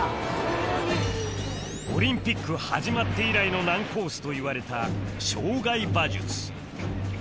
オリンピック始まって以来の難コースといわれた障害馬術